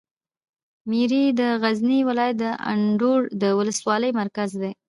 میری د غزني ولایت د اندړو د ولسوالي مرکز ده.